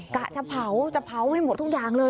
กะจะเผาจะเผาให้หมดทุกอย่างเลย